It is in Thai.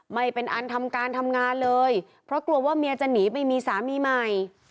ไม่เป็นอันทำการทำงานเลยเพราะกลัวว่าเมียจะหนีไปมีสามีใหม่